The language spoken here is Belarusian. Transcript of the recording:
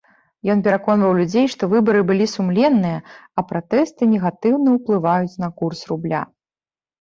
Ён пераконваў людзей, што выбары былі сумленныя, а пратэсты негатыўна ўплываюць на курс рубля.